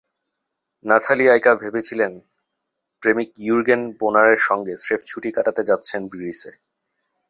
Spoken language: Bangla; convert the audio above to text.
নাথালি আইকা ভেবেছিলেন, প্রেমিক ইয়ুর্গেন বোনারের সঙ্গে স্রেফ ছুটি কাটাতে যাচ্ছেন গ্রিসে।